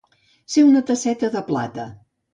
Ser una tasseta de plata.